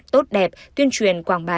tốt đẹp tuyên truyền quảng bá